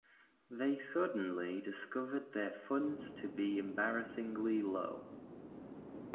They suddenly discovered their funds to be embarrassingly low.